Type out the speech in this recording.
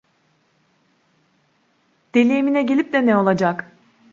Deli Emine gelip de ne olacak?